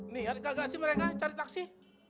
nih ada kagak sih mereka cari taksi